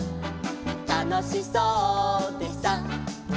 「たのしそうでさ」